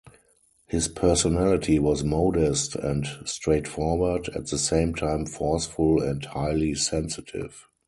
His personality was modest and straightforward, at the same time forceful and highly sensitive.